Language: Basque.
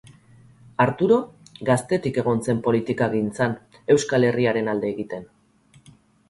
Arturo gaztetik egon zen politikagintzan Euskal Herriaren alde egiten.